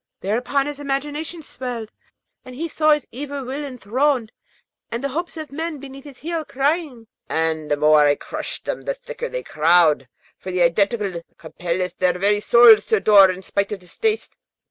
Thereupon his imagination swelled, and he saw his evil will enthroned, and the hopes of men beneath his heel, crying, 'And the more I crush them the thicker they crowd, for the Identical compelleth their very souls to adore in spite of distaste.'